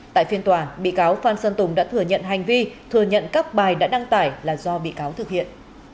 tại phiên tòa bị cáo phan xuân tùng đã thừa nhận hành vi thừa nhận các bài đã đăng tải là do bị cáo thực hiện